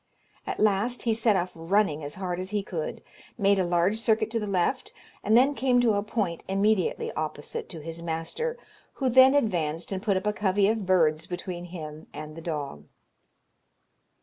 At last he set off running as hard as he could, made a large circuit to the left, and then came to a point immediately opposite to his master, who then advanced and put up a covey of birds between him and the dog.